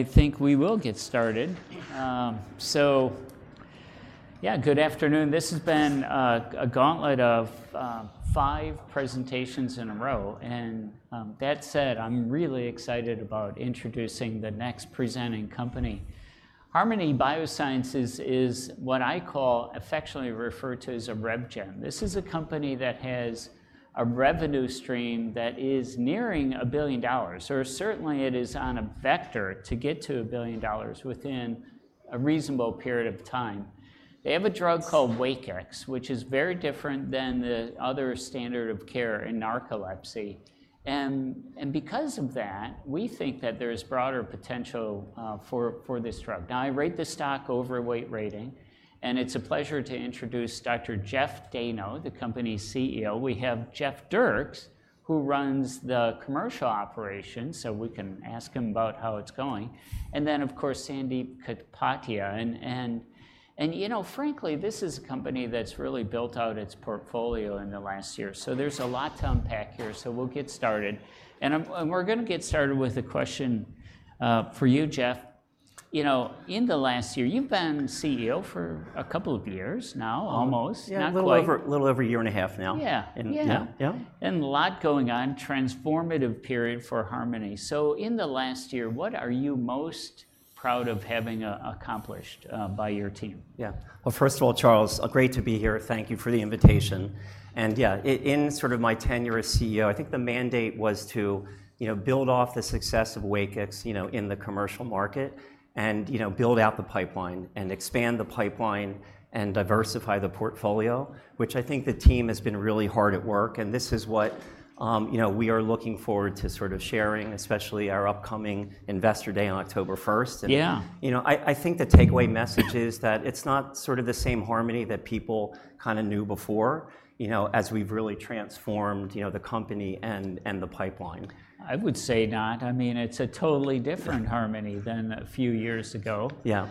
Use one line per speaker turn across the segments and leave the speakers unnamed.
I think we will get started. So yeah, good afternoon. This has been a gauntlet of five presentations in a row, and that said, I'm really excited about introducing the next presenting company. Harmony Biosciences is what I call affectionately refer to as a rev gen. This is a company that has a revenue stream that is nearing a billion dollars, or certainly it is on a vector to get to a billion dollars within a reasonable period of time. They have a drug called WAKIX, which is very different than the other standard of care in narcolepsy, and because of that, we think that there's broader potential for this drug. Now, I rate the stock overweight rating, and it's a pleasure to introduce Dr. Jeff Dayno, the company's CEO. We have Jeff Dierks, who runs the commercial operations, so we can ask him about how it's going, and then, of course, Sandip Kapadia, and you know, frankly, this is a company that's really built out its portfolio in the last year, so there's a lot to unpack here, so we'll get started, and we're gonna get started with a question for you, Jeff. You know, in the last year. You've been CEO for a couple of years now, almost. Not quite-
Yeah, a little over a year and a half now.
Yeah, yeah.
Yeah, yeah.
And a lot going on, transformative period for Harmony. So in the last year, what are you most proud of having accomplished by your team?
Yeah. Well, first of all, Charles, great to be here. Thank you for the invitation, and yeah, in sort of my tenure as CEO, I think the mandate was to, you know, build off the success of WAKIX, you know, in the commercial market and, you know, build out the pipeline and expand the pipeline and diversify the portfolio, which I think the team has been really hard at work, and this is what, you know, we are looking forward to sort of sharing, especially our upcoming Investor Day on October 1st.
Yeah.
You know, I think the takeaway message is that it's not sort of the same Harmony that people kind of knew before, you know, as we've really transformed, you know, the company and the pipeline.
I would say not. I mean, it's a totally different Harmony than a few years ago.
Yeah.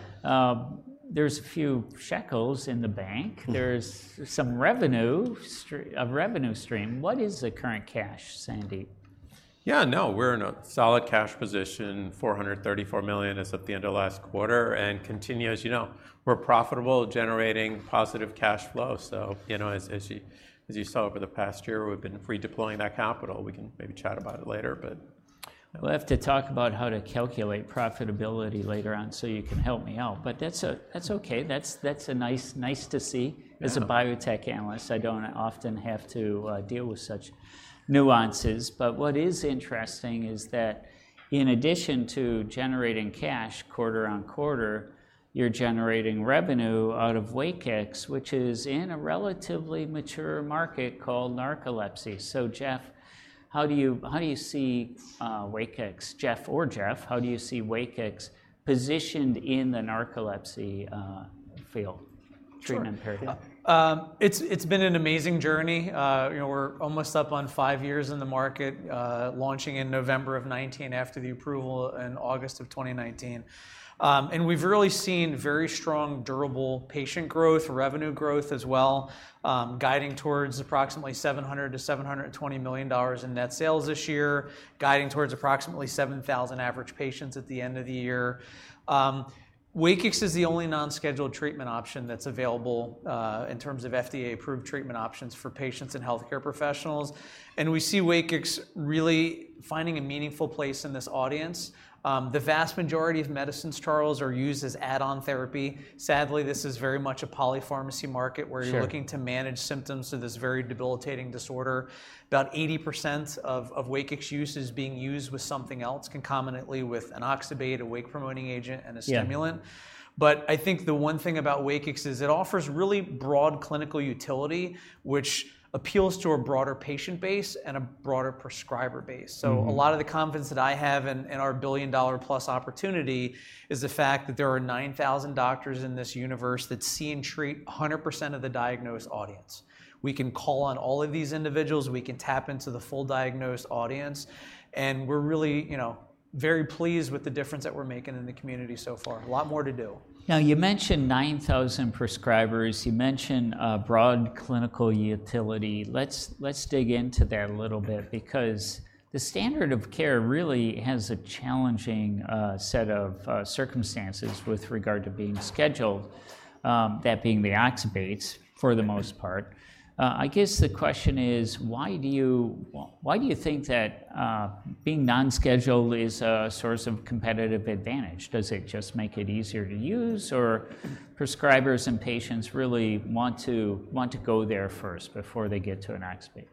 There's a few shekels in the bank.
Mm.
There's some revenue stream. What is the current cash, Sandip?
Yeah, no, we're in a solid cash position, $434 million as of the end of last quarter, and continue, as you know, we're profitable, generating positive cash flow, so, you know, as you saw over the past year, we've been redeploying that capital. We can maybe chat about it later, but-
We'll have to talk about how to calculate profitability later on, so you can help me out, but that's okay. That's nice to see.
Yeah.
As a biotech analyst, I don't often have to deal with such nuances, but what is interesting is that in addition to generating cash quarter on quarter, you're generating revenue out of WAKIX, which is in a relatively mature market called narcolepsy. So Jeff, how do you see WAKIX positioned in the narcolepsy field?
Sure...
treatment area?
It's been an amazing journey. You know, we're almost up on five years in the market, launching in November of 2019, after the approval in August of 2019, and we've really seen very strong, durable patient growth, revenue growth as well, guiding towards approximately $700-$720 million in net sales this year, guiding towards approximately 7,000 average patients at the end of the year. WAKIX is the only non-scheduled treatment option that's available, in terms of FDA-approved treatment options for patients and healthcare professionals, and we see WAKIX really finding a meaningful place in this audience. The vast majority of medicines, Charles, are used as add-on therapy. Sadly, this is very much a polypharmacy market.
Sure...
where you're looking to manage symptoms of this very debilitating disorder. About 80% of WAKIX use is being used with something else, concomitantly with an oxybate, a wake-promoting agent, and a stimulant.
Yeah.
But I think the one thing about WAKIX is it offers really broad clinical utility, which appeals to a broader patient base and a broader prescriber base.
Mm-hmm.
A lot of the confidence that I have in our billion-dollar-plus opportunity is the fact that there are 9,000 doctors in this universe that see and treat 100% of the diagnosed audience. We can call on all of these individuals. We can tap into the full diagnosed audience, and we're really, you know, very pleased with the difference that we're making in the community so far. A lot more to do.
Now, you mentioned 9,000 prescribers. You mentioned a broad clinical utility. Let's dig into that a little bit.
Okay...
because the standard of care really has a challenging set of circumstances with regard to being scheduled, that being the oxybates, for the most part. I guess the question is, why do you think that being non-scheduled is a source of competitive advantage? Does it just make it easier to use, or prescribers and patients really want to go there first before they get to an oxybate?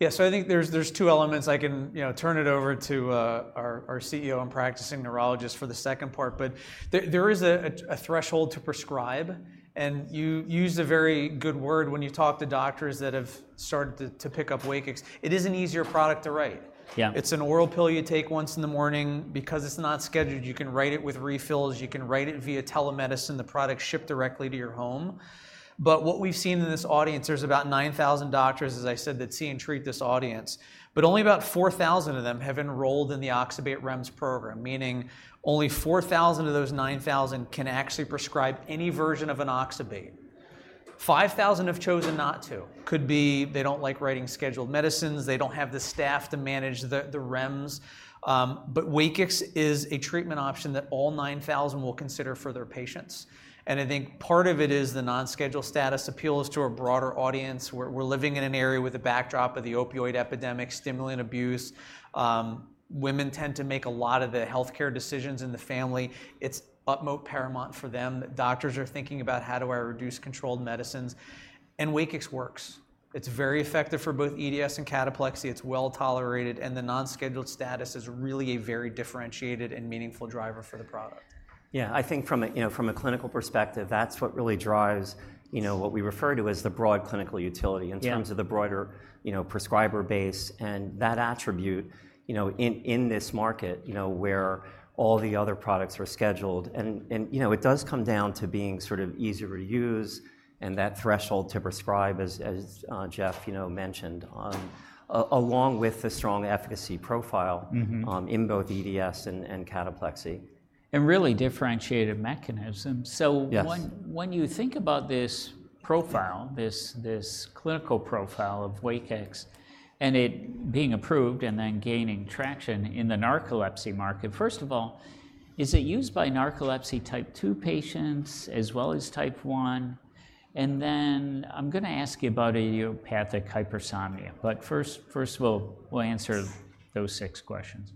Yeah, so I think there's two elements. I can, you know, turn it over to our CEO and practicing neurologist for the second part, but there is a threshold to prescribe, and you used a very good word when you talk to doctors that have started to pick up WAKIX. It is an easier product to write.
Yeah.
It's an oral pill you take once in the morning. Because it's not scheduled, you can write it with refills. You can write it via telemedicine, the product shipped directly to your home. But what we've seen in this audience, there's about 9,000 doctors, as I said, that see and treat this audience, but only about 4,000 of them have enrolled in the oxybate REMS program, meaning only 4,000 of those 9,000 can actually prescribe any version of an oxybate. 5,000 have chosen not to. Could be they don't like writing scheduled medicines, they don't have the staff to manage the REMS, but WAKIX is a treatment option that all 9,000 will consider for their patients. And I think part of it is the non-schedule status appeals to a broader audience. We're living in an era with the backdrop of the opioid epidemic, stimulant abuse. Women tend to make a lot of the healthcare decisions in the family. It's utmost paramount for them that doctors are thinking about how do I reduce controlled medicines, and WAKIX works. It's very effective for both EDS and cataplexy. It's well-tolerated, and the non-scheduled status is really a very differentiated and meaningful driver for the product.
Yeah, I think from a, you know, clinical perspective, that's what really drives, you know, what we refer to as the broad clinical utility-
Yeah...
in terms of the broader, you know, prescriber base and that attribute, you know, in this market, you know, where all the other products are scheduled. And, you know, it does come down to being sort of easier to use and that threshold to prescribe, as Jeff, you know, mentioned, along with the strong efficacy profile-
Mm-hmm
in both EDS and cataplexy.
Really differentiated mechanism.
Yes.
So when you think about this profile.
Yeah...
this clinical profile of WAKIX, and it being approved and then gaining traction in the narcolepsy market, first of all, is it used by narcolepsy Type 2 patients as well as Type 1? And then I'm gonna ask you about idiopathic hypersomnia, but first, we'll answer those six questions.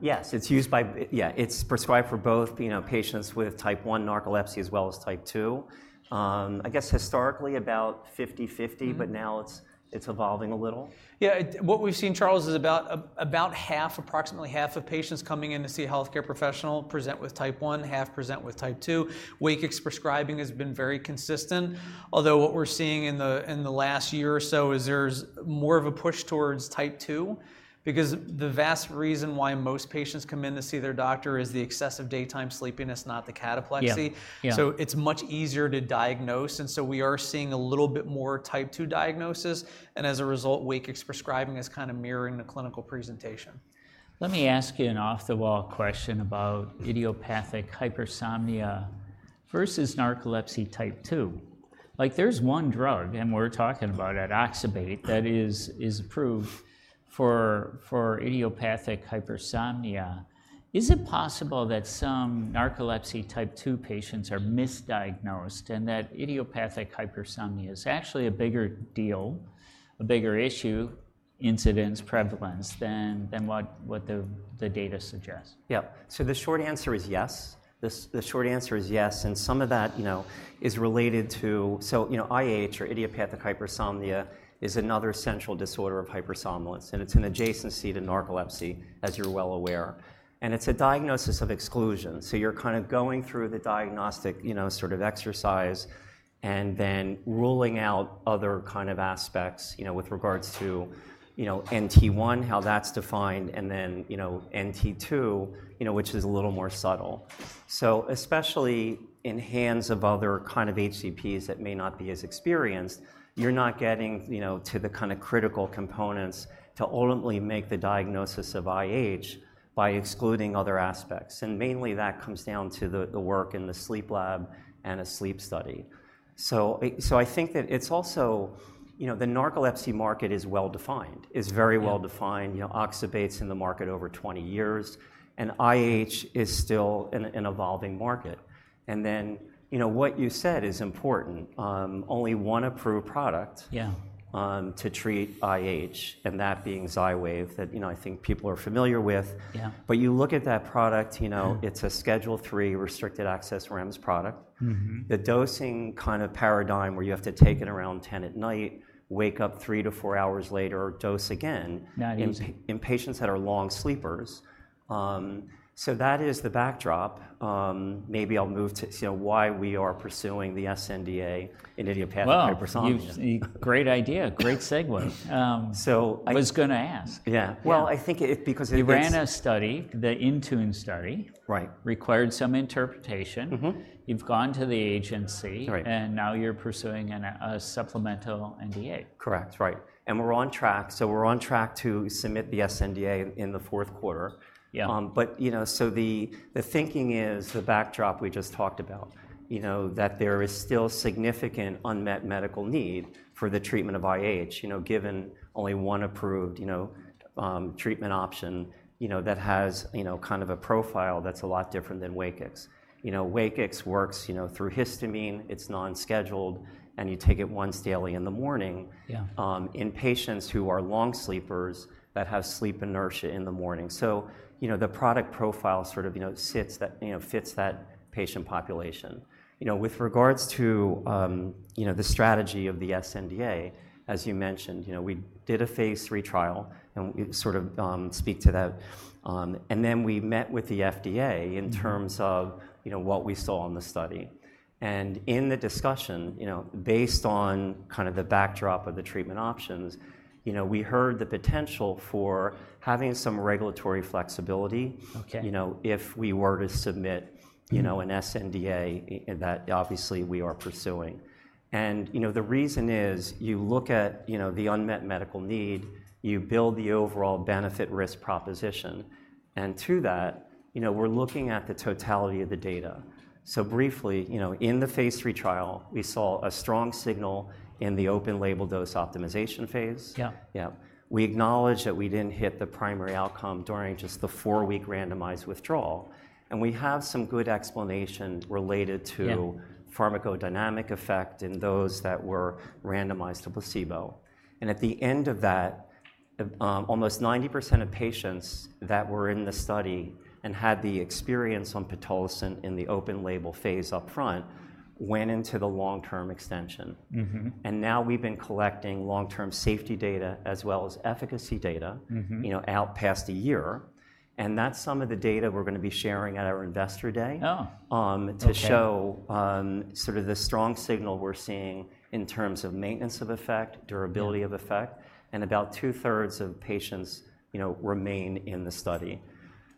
Yes, it's used by, yeah, it's prescribed for both, you know, patients with Type 1 narcolepsy as well as Type 2. I guess historically, about fifty-fifty-
Mm.
but now it's, it's evolving a little.
Yeah, what we've seen, Charles, is about half, approximately half of patients coming in to see a healthcare professional present with Type 1, half present with Type 2. WAKIX prescribing has been very consistent, although what we're seeing in the last year or so is there's more of a push towards Type 2. Because the vast majority of patients come in to see their doctor is the excessive daytime sleepiness, not the cataplexy.
Yeah, yeah.
So it's much easier to diagnose, and so we are seeing a little bit more Type 2 diagnoses, and as a result, WAKIX prescribing is kind of mirroring the clinical presentation.
Let me ask you an off-the-wall question about idiopathic hypersomnia versus narcolepsy Type 2. Like, there's one drug, and we're talking about it, oxybate, that is approved for idiopathic hypersomnia. Is it possible that some narcolepsy Type 2 patients are misdiagnosed, and that idiopathic hypersomnia is actually a bigger deal, a bigger issue, incidence, prevalence, than what the data suggests?
Yeah, so the short answer is yes. The short answer is yes, and some of that, you know, is related to... So, you know, IH, or idiopathic hypersomnia, is another central disorder of hypersomnolence, and it's an adjacency to narcolepsy, as you're well aware, and it's a diagnosis of exclusion, so you're kind of going through the diagnostic, you know, sort of exercise and then ruling out other kind of aspects, you know, with regards to, you know, NT1, how that's defined, and then, you know, NT2, you know, which is a little more subtle. So especially in hands of other kind of HCPs that may not be as experienced, you're not getting, you know, to the kind of critical components to ultimately make the diagnosis of IH by excluding other aspects, and mainly that comes down to the work in the sleep lab and a sleep study. So, so I think that it's also... You know, the narcolepsy market is well defined, is very well defined.
Yeah.
You know, oxybate's in the market over twenty years, and IH is still an evolving market. And then, you know, what you said is important, only one approved product-
Yeah...
to treat IH, and that being Xwav, that, you know, I think people are familiar with.
Yeah.
But you look at that product, you know-
Yeah...
it's a Schedule III restricted access REMS product.
Mm-hmm.
The dosing kind of paradigm, where you have to take it around 10:00 P.M., wake up three to four hours later, dose again.
Not easy...
in patients that are long sleepers. So that is the backdrop. Maybe I'll move to, you know, why we are pursuing the sNDA in idiopathic hypersomnia.
Great idea. Great segue.
So I-
Was gonna ask.
Yeah.
Yeah.
I think it's
You ran a study, the INTUNE study.
Right.
Required some interpretation.
Mm-hmm.
You've gone to the agency-
Right...
and now you're pursuing a supplemental NDA.
Correct, right, and we're on track. So we're on track to submit the sNDA in the fourth quarter.
Yeah.
But, you know, so the thinking is the backdrop we just talked about, you know, that there is still significant unmet medical need for the treatment of IH, you know, given only one approved, you know, treatment option, you know, that has, you know, kind of a profile that's a lot different than WAKIX. You know, WAKIX works, you know, through histamine, it's non-scheduled, and you take it once daily in the morning-
Yeah...
in patients who are long sleepers that have sleep inertia in the morning. So, you know, the product profile sort of, you know, sits that, you know, fits that patient population. You know, with regards to, you know, the strategy of the sNDA, as you mentioned, you know, we did a phase III trial, and we sort of, speak to that... And then we met with the FDA in terms-
Mm...
of, you know, what we saw in the study, and in the discussion, you know, based on kind of the backdrop of the treatment options, you know, we heard the potential for having some regulatory flexibility-
Okay...
you know, if we were to submit, you know, an sNDA, and that obviously we are pursuing. And, you know, the reason is, you look at, you know, the unmet medical need, you build the overall benefit-risk proposition, and through that, you know, we're looking at the totality of the data, so briefly, you know, in the phase III trial, we saw a strong signal in the open label dose optimization phase.
Yeah.
Yeah. We acknowledge that we didn't hit the primary outcome during just the four-week randomized withdrawal, and we have some good explanations related to-
Yeah...
pharmacodynamic effect in those that were randomized to placebo. And at the end of that, almost 90% of patients that were in the study and had the experience on pitolisant in the open label phase up front, went into the long-term extension.
Mm-hmm.
Now we've been collecting long-term safety data as well as efficacy data.
Mm-hmm...
you know, out past a year, and that's some of the data we're gonna be sharing at our investor day-
Oh, okay...
to show, sort of the strong signal we're seeing in terms of maintenance of effect, durability of effect-
Yeah...
and about two-thirds of patients, you know, remain in the study.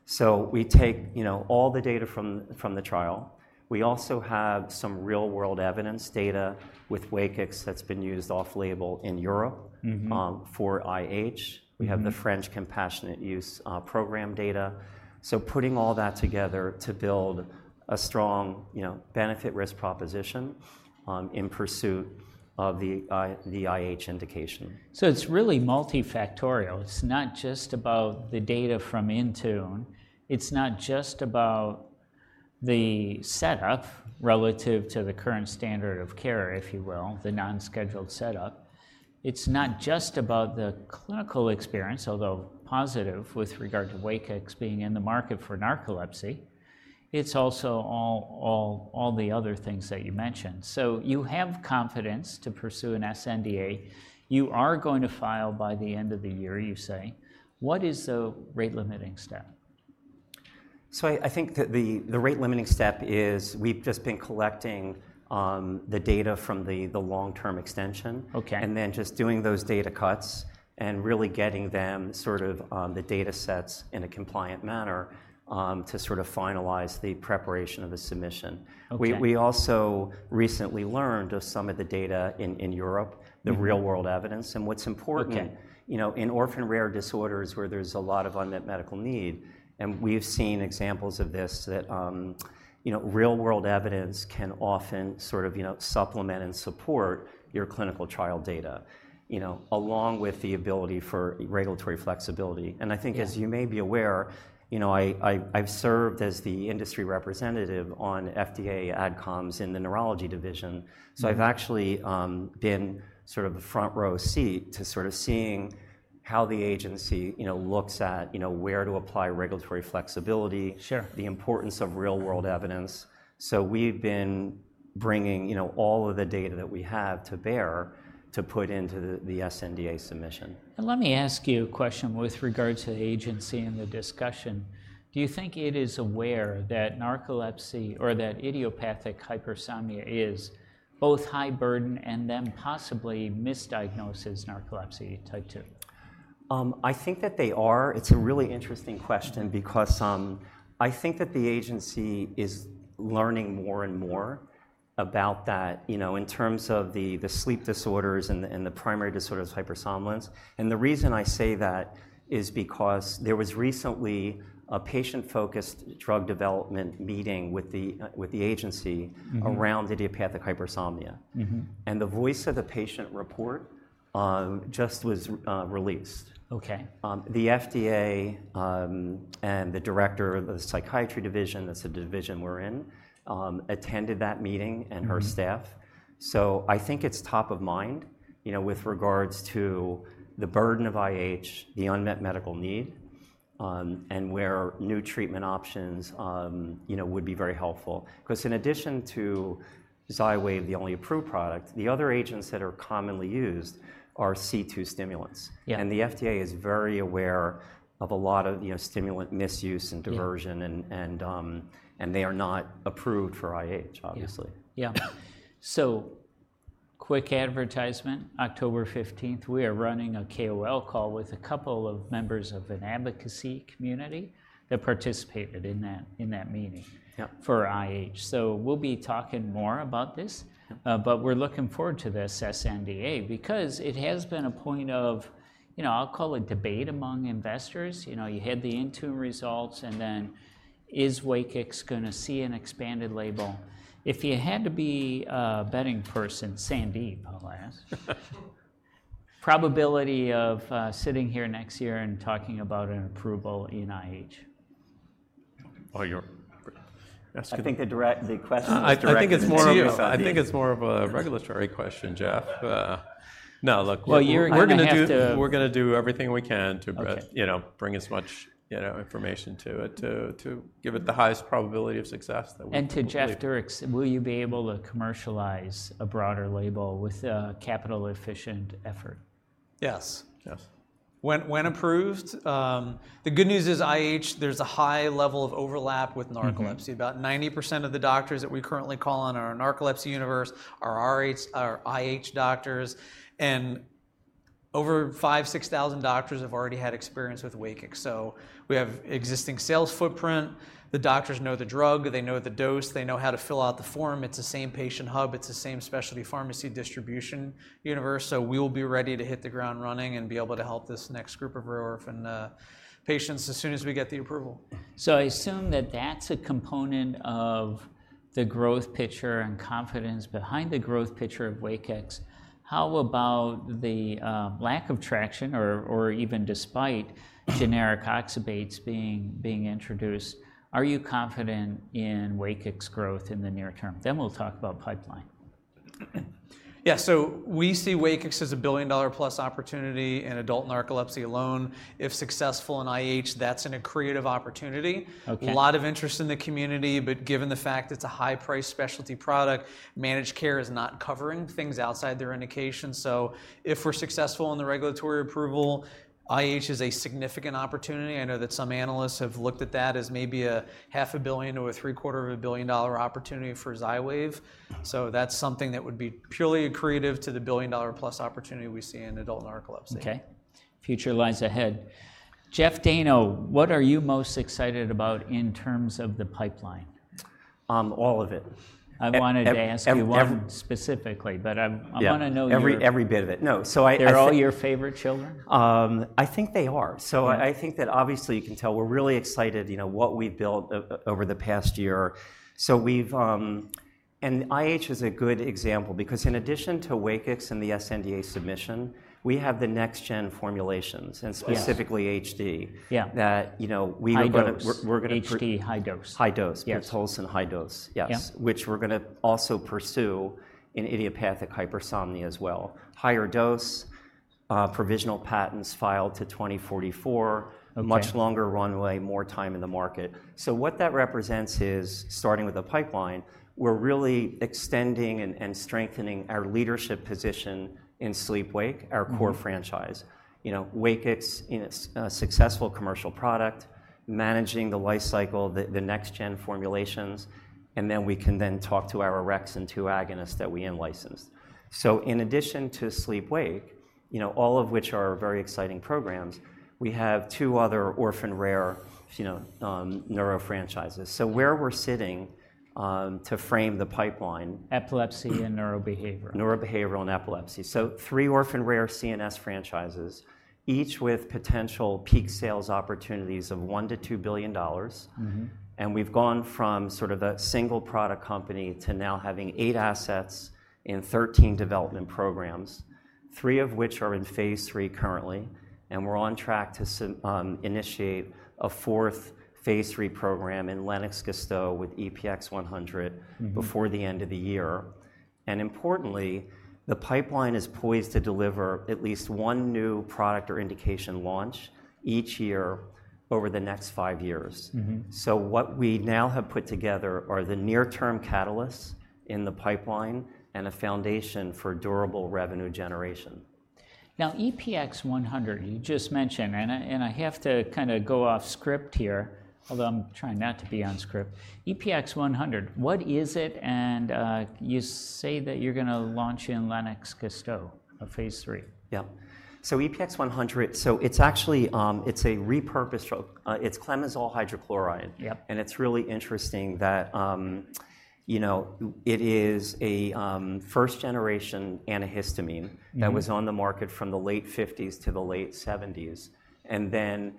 So we take, you know, all the data from the trial. We also have some real-world evidence data with WAKIX that's been used off-label in Europe-
Mm-hmm...
for IH.
Mm-hmm.
We have the French Compassionate Use Program data, so putting all that together to build a strong, you know, benefit-risk proposition, in pursuit of the IH indication.
So it's really multifactorial. It's not just about the data from INTUNE. It's not just about the setup relative to the current standard of care, if you will, the non-scheduled setup. It's not just about the clinical experience, although positive with regard to WAKIX being in the market for narcolepsy. It's also all the other things that you mentioned. So you have confidence to pursue an sNDA. You are going to file by the end of the year, you say. What is the rate-limiting step?
I think that the rate-limiting step is we've just been collecting the data from the long-term extension-
Okay...
and then just doing those data cuts and really getting them sort of, the data sets in a compliant manner, to sort of finalize the preparation of the submission.
Okay.
We also recently learned of some of the data in Europe.
Mm-hmm...
the real-world evidence, and what's important-
Okay...
you know, in orphan rare disorders where there's a lot of unmet medical need, and we've seen examples of this, that, you know, real-world evidence can often sort of, you know, supplement and support your clinical trial data, you know, along with the ability for regulatory flexibility.
Yeah.
I think, as you may be aware, you know, I've served as the industry representative on FDA ad coms in the neurology division.
Mm-hmm.
So I've actually been sort of a front-row seat to sort of seeing how the agency, you know, looks at, you know, where to apply regulatory flexibility-
Sure...
the importance of real-world evidence. So we've been bringing, you know, all of the data that we have to bear to put into the sNDA submission.
Let me ask you a question with regards to the agency and the discussion. Do you think it is aware that narcolepsy or that idiopathic hypersomnia is both high burden and then possibly misdiagnosed as narcolepsy Type 2?
I think that they are. It's a really interesting question because I think that the agency is learning more and more about that, you know, in terms of the sleep disorders and the primary disorders of hypersomnolence. And the reason I say that is because there was recently a patient-focused drug development meeting with the agency.
Mm-hmm...
around idiopathic hypersomnia.
Mm-hmm.
And the voice of the patient report just was released.
Okay.
The FDA and the director of the psychiatry division, that's the division we're in, attended that meeting, and her staff.
Mm-hmm.
I think it's top of mind, you know, with regards to the burden of IH, the unmet medical need, and where new treatment options, you know, would be very helpful. 'Cause in addition to Xywav, the only approved product, the other agents that are commonly used are CII stimulants.
Yeah.
And the FDA is very aware of a lot of, you know, stimulant misuse and diversion.
Yeah...
and they are not approved for IH, obviously.
Yeah. Yeah. So quick advertisement, October 15th, we are running a KOL call with a couple of members of an advocacy community that participated in that meeting-
Yeah...
for IH. So we'll be talking more about this.
Okay.
But we're looking forward to this sNDA because it has been a point of, you know, I'll call it, debate among investors. You know, you had the INTUNE results, and then is Wakix gonna see an expanded label? If you had to be a betting person, Sandy, probability of sitting here next year and talking about an approval in IH?
Oh, you're
I think the question is directed to you, Sandy.
I think it's more of a regulatory question, Jeff. No, look, look-
Well, you're-
We're gonna do-
I'm gonna have to-
We're gonna do everything we can to be-
Okay...
you know, bring as much, you know, information to it, to give it the highest probability of success that we can believe.
To Jeff Dierks, will you be able to commercialize a broader label with a capital-efficient effort?
Yes.
Yes.
When approved, the good news is IH. There's a high level of overlap with narcolepsy.
Mm-hmm.
About 90% of the doctors that we currently call on our narcolepsy universe are RH, are IH doctors, and over five, six thousand doctors have already had experience with WAKIX. So we have existing sales footprint. The doctors know the drug, they know the dose, they know how to fill out the form. It's the same patient hub, it's the same specialty pharmacy distribution universe, so we will be ready to hit the ground running and be able to help this next group of orphan patients as soon as we get the approval.
So I assume that that's a component of the growth picture and confidence behind the growth picture of WAKIX. How about the lack of traction or even despite generic oxybates being introduced, are you confident in WAKIX growth in the near term? Then we'll talk about pipeline.
Yeah, so we see WAKIX as a billion-dollar-plus opportunity in adult narcolepsy alone. If successful in IH, that's an accretive opportunity.
Okay.
A lot of interest in the community, but given the fact it's a high-price specialty product, managed care is not covering things outside their indication. So if we're successful in the regulatory approval, IH is a significant opportunity. I know that some analysts have looked at that as maybe a $500 million-$750 million opportunity for Xywav. So that's something that would be purely accretive to the $1 billion-plus opportunity we see in adult narcolepsy.
Okay. Future lies ahead. Jeff Dayno, what are you most excited about in terms of the pipeline?
All of it.
I wanted to ask you-
Ev- ev- ev-
one specifically, but I'm
Yeah...
I wanna know your-
Every bit of it. No, so I.
They're all your favorite children?
I think they are.
Okay.
So I think that obviously, you can tell we're really excited, you know, what we've built over the past year. IH is a good example, because in addition to WAKIX and the sNDA submission, we have the next gen formulations-
Yes...
and specifically HD.
Yeah.
That, you know, we were gonna-
High dose...
we're gonna pr-
HD, high dose.
High dose.
Yes.
Pitolisant and high dose, yes.
Yeah.
Which we're gonna also pursue in idiopathic hypersomnia as well. Higher dose, provisional patents filed to twenty forty-four.
Okay.
A much longer runway, more time in the market. So what that represents is, starting with the pipeline, we're really extending and strengthening our leadership position in sleep-wake-
Mm-hmm...
our core franchise. You know, WAKIX, in its successful commercial product, managing the life cycle, the next gen formulations, and then we can then talk to our orexin-2 agonists that we in-licensed. So in addition to sleep-wake, you know, all of which are very exciting programs, we have two other orphan rare, you know, neuro franchises. So where we're sitting to frame the pipeline-
Epilepsy and neurobehavioral.
Neurobehavioral and epilepsy. Three orphan rare CNS franchises, each with potential peak sales opportunities of $1 billion-$2 billion.
Mm-hmm.
We've gone from sort of a single product company to now having eight assets in 13 development programs, three of which are in phase III currently, and we're on track to soon initiate a fourth phase III program in Lennox-Gastaut with EPX-100.
Mm-hmm...
before the end of the year. Importantly, the pipeline is poised to deliver at least one new product or indication launch each year over the next five years.
Mm-hmm.
So what we now have put together are the near-term catalysts in the pipeline and a foundation for durable revenue generation.
Now, EPX-100, you just mentioned, and I, and I have to kinda go off script here, although I'm trying not to be on script. EPX-100, what is it? And, you say that you're gonna launch in Lennox-Gastaut, a phase III.
Yeah, so EPX-100, it's actually a repurposed drug. It's clemizole hydrochloride.
Yep.
It's really interesting that, you know, it is a first-generation antihistamine-
Mm-hmm...
that was on the market from the late 1950s to the late 1970s, and then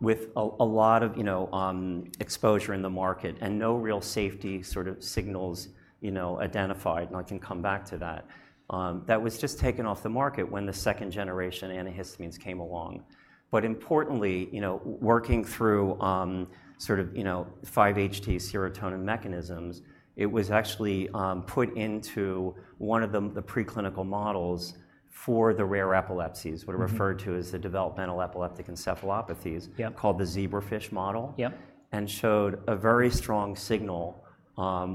with a lot of, you know, exposure in the market and no real safety sort of signals, you know, identified, and I can come back to that, that was just taken off the market when the second-generation antihistamines came along. But importantly, you know, working through, sort of, you know, 5-HT serotonin mechanisms, it was actually, put into one of the preclinical models for the rare epilepsies-
Mm-hmm...
what are referred to as the developmental epileptic encephalopathies-
Yep...
called the zebrafish model.
Yep.
And showed a very strong signal,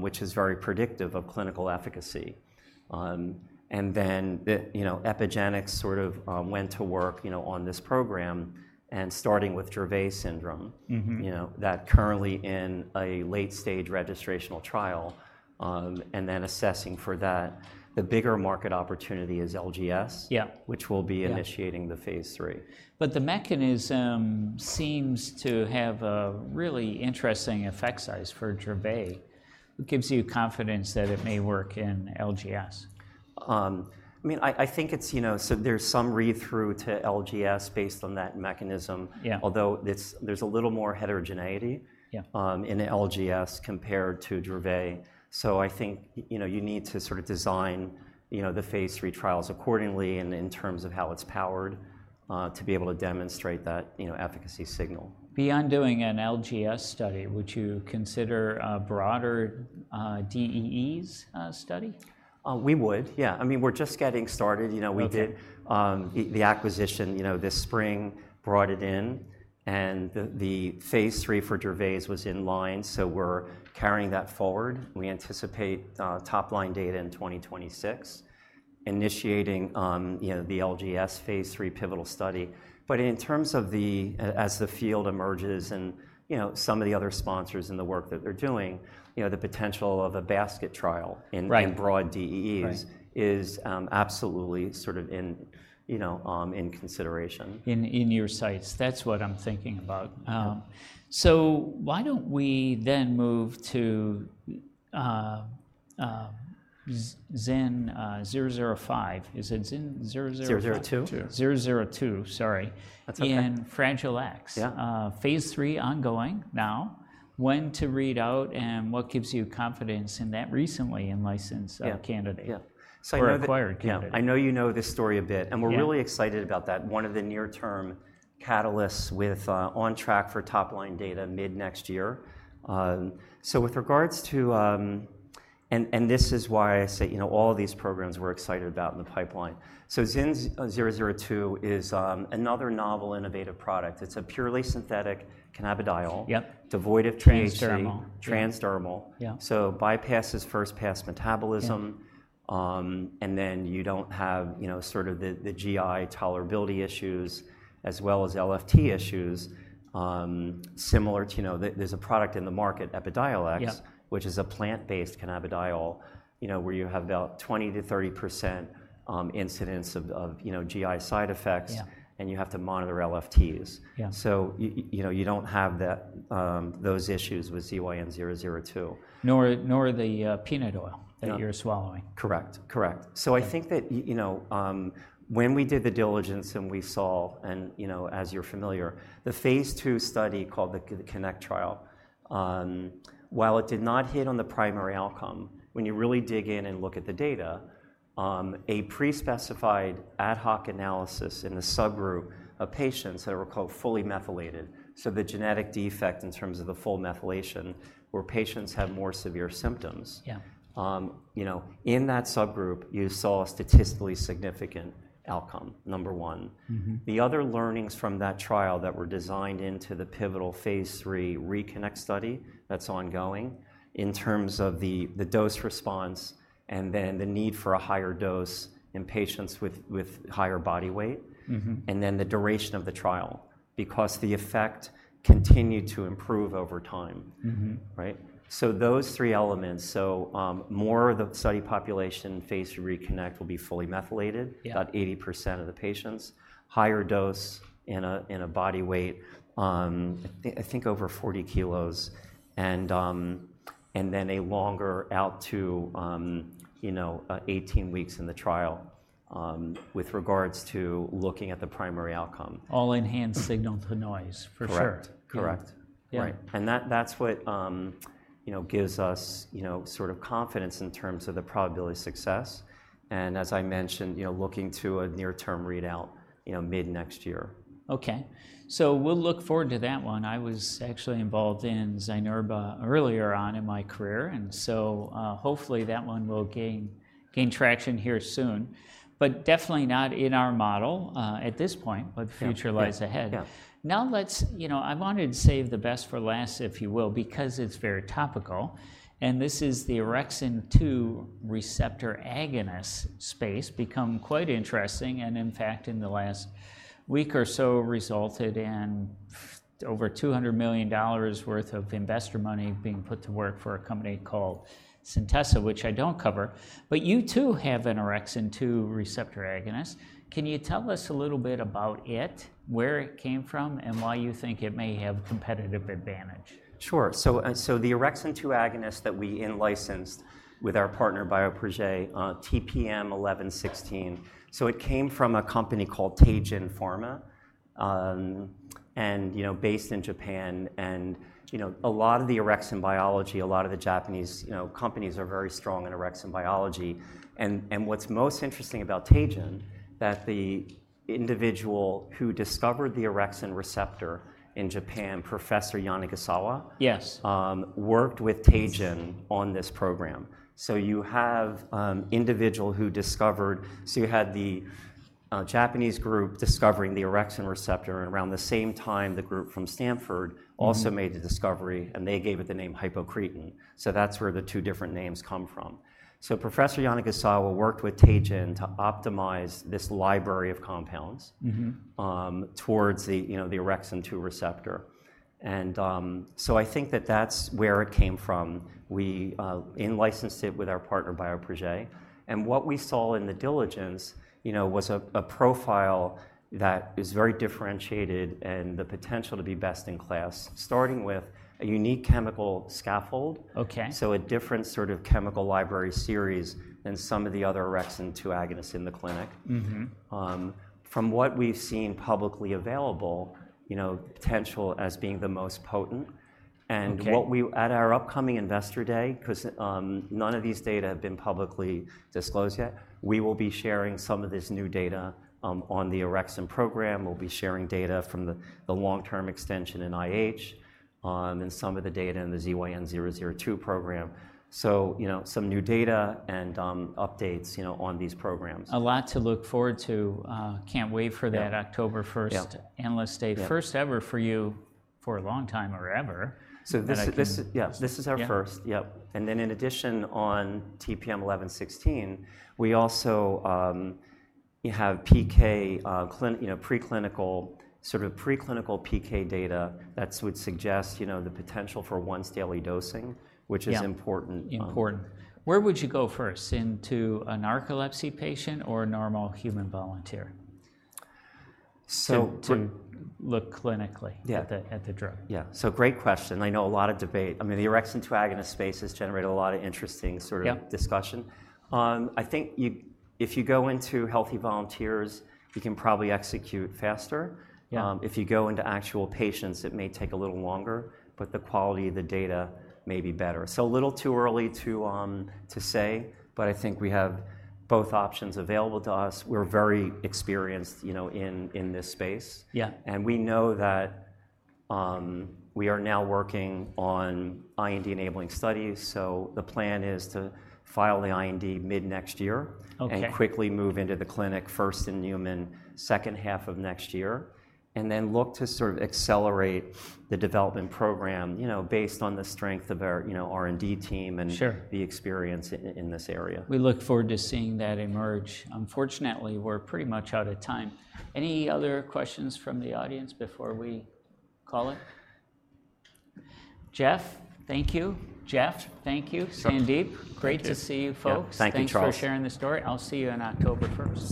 which is very predictive of clinical efficacy. And then the, you know, Epygenix sort of went to work, you know, on this program and starting with Dravet syndrome-
Mm-hmm...
you know, that currently in a late-stage registrational trial, and then assessing for that. The bigger market opportunity is LGS-
Yeah...
which we'll be initiating-
Yeah...
the phase III.
But the mechanism seems to have a really interesting effect size for Dravet. It gives you confidence that it may work in LGS.
I mean, I think it's, you know, so there's some read-through to LGS based on that mechanism.
Yeah...
although it's, there's a little more heterogeneity-
Yeah...
in LGS compared to Dravet. So I think, you know, you need to sort of design, you know, the phase III trials accordingly and in terms of how it's powered, to be able to demonstrate that, you know, efficacy signal.
Beyond doing an LGS study, would you consider a broader, DEE's, study?
We would, yeah. I mean, we're just getting started. You know, we did-
Okay...
the acquisition, you know, this spring, brought it in, and the phase III for Dravet's was in line, so we're carrying that forward. We anticipate top-line data in 2026, initiating you know, the LGS phase III pivotal study. But in terms of the... as the field emerges and, you know, some of the other sponsors and the work that they're doing, you know, the potential of a basket trial in-
Right...
in broad DEEs-
Right...
is absolutely sort of in, you know, in consideration.
In your sights. That's what I'm thinking about.
Yeah.
Why don't we then move to ZYN-005. Is it ZYN00-
002.
2.
002, sorry.
That's okay.
Fragile X.
Yeah.
phase III ongoing now. When to read out, and what gives you confidence in that recently in-licensed-
Yeah...
candidate?
Yeah, so I know that-
Or acquired candidate.
Yeah. I know you know this story a bit-
Yeah...
and we're really excited about that, one of the near-term catalysts with, on track for top-line data mid-next year. So with regards to... And this is why I say, you know, all of these programs we're excited about in the pipeline. So ZYN002 is another novel innovative product. It's a purely synthetic cannabidiol-
Yep...
devoid of THC.
Transdermal.
Transdermal.
Yeah.
Bypasses first-pass metabolism-
Yeah...
and then you don't have, you know, sort of the, the GI tolerability issues as well as LFT issues. Similar to, you know... There, there's a product in the market, Epidiolex-
Yeah...
which is a plant-based cannabidiol, you know, where you have about 20%-30%, incidence of, you know, GI side effects-
Yeah...
and you have to monitor LFTs.
Yeah.
You know, you don't have that, those issues with ZYN002.
Nor the peanut oil-
Yeah...
that you're swallowing.
Correct. Correct.
Yeah.
I think that you know, when we did the diligence, and we saw. You know, as you're familiar, the phase II study, called the CONNECT trial, while it did not hit on the primary outcome, when you really dig in and look at the data, a pre-specified ad hoc analysis in a subgroup of patients that were called fully methylated, so the genetic defect in terms of the full methylation, where patients have more severe symptoms-
Yeah ...
you know, in that subgroup, you saw a statistically significant outcome, number one.
Mm-hmm.
The other learnings from that trial that were designed into the pivotal phase III RECONNECT study that's ongoing, in terms of the dose response and then the need for a higher dose in patients with higher body weight.
Mm-hmm...
and then the duration of the trial because the effect continued to improve over time.
Mm-hmm.
Right? So those three elements, more of the study population, phase III RECONNECT, will be fully methylated-
Yeah...
about 80% of the patients, higher dose in a body weight, I think over 40 kilos, and then a longer out to, you know, 18 weeks in the trial, with regards to looking at the primary outcome.
All enhanced signal-to-noise, for sure.
Correct. Correct.
Yeah.
Right, and that, that's what, you know, gives us, you know, sort of confidence in terms of the probability of success, and as I mentioned, you know, looking to a near-term readout, you know, mid-next year.
Okay. So we'll look forward to that one. I was actually involved in Zynerba earlier on in my career, and so, hopefully, that one will gain traction here soon, but definitely not in our model, at this point.
Yeah...
but the future lies ahead.
Yeah.
Now, you know, I wanted to save the best for last, if you will, because it's very topical, and this is the orexin-2 receptor agonist space become quite interesting and, in fact, in the last week or so, resulted in over $200 million worth of investor money being put to work for a company called Centessa, which I don't cover. But you, too, have an orexin-2 receptor agonist. Can you tell us a little bit about it, where it came from, and why you think it may have competitive advantage?
Sure, so the orexin-2 agonist that we in-licensed with our partner, Bioprojet, TPM-1116, so it came from a company called Teijin Pharma, and, you know, based in Japan, and you know, a lot of the orexin biology, a lot of the Japanese, you know, companies are very strong in orexin biology. What's most interesting about Teijin, that the individual who discovered the orexin receptor in Japan, Professor Yanagisawa-
Yes...
worked with Teijin on this program. So you had the, Japanese group discovering the orexin receptor, and around the same time, the group from Stanford-
Mm...
also made the discovery, and they gave it the name hypocretin. So that's where the two different names come from. So Professor Yanagisawa worked with Teijin to optimize this library of compounds-
Mm-hmm...
towards the, you know, the orexin-2 receptor, and so I think that's where it came from. We in-licensed it with our partner, Bioprojet, and what we saw in the diligence, you know, was a profile that is very differentiated and the potential to be best-in-class, starting with a unique chemical scaffold.
Okay.
So a different sort of chemical library series than some of the other orexin-2 agonists in the clinic.
Mm-hmm.
From what we've seen publicly available, you know, potential as being the most potent.
Okay.
At our upcoming Investor Day, 'cause none of these data have been publicly disclosed yet, we will be sharing some of this new data on the orexin program. We'll be sharing data from the long-term extension in IH and some of the data in the ZYN002 program, so you know, some new data and updates, you know, on these programs.
A lot to look forward to. Can't wait-
Yeah...
for that October 1st-
Yeah...
Analyst Day.
Yeah.
First ever for you for a long time or ever, that I can-
This is our first.
Yeah.
Yep, and then in addition, on TPM-1116, we also have PK, you know, preclinical, sort of preclinical PK data that would suggest, you know, the potential for once-daily dosing, which is-
Yeah...
important.
Important. Where would you go first, into a narcolepsy patient or a normal human volunteer?
So to-
To look clinically-
Yeah...
at the drug?
Yeah, so great question. I know a lot of debate. I mean, the orexin-2 agonist space has generated a lot of interesting sort of-
Yep...
discussion. I think if you go into healthy volunteers, you can probably execute faster.
Yeah.
If you go into actual patients, it may take a little longer, but the quality of the data may be better. So a little too early to say, but I think we have both options available to us. We're very experienced, you know, in this space.
Yeah.
And we know that we are now working on IND-enabling studies, so the plan is to file the IND mid-next year.
Okay...
and quickly move into the clinic, first in human, second half of next year, and then look to sort of accelerate the development program, you know, based on the strength of our, you know, R&D team and-
Sure...
the experience in this area.
We look forward to seeing that emerge. Unfortunately, we're pretty much out of time. Any other questions from the audience before we call it? Jeff, thank you. Jeff, thank you.
Sure.
Sandip.
Thank you.
Great to see you folks.
Yeah. Thank you, Charles.
Thanks for sharing this story. I'll see you on October 1st.